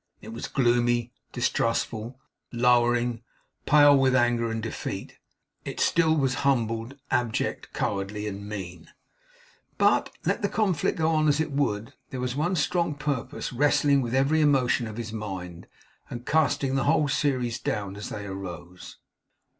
It was gloomy, distrustful, lowering; pale with anger and defeat; it still was humbled, abject, cowardly and mean; but, let the conflict go on as it would, there was one strong purpose wrestling with every emotion of his mind, and casting the whole series down as they arose.